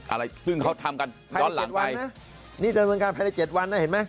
อะไรซึ่งเขาทำกันย้อนหลังไปนี่ดำเนินการภายใน๗วันนะเห็นไหม